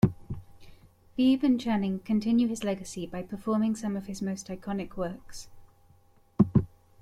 Bibbe and Channing continue his legacy by performing some of his most iconic works.